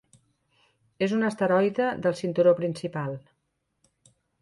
És un asteroide del cinturó principal.